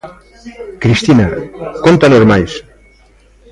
Cristina, cóntanos máis.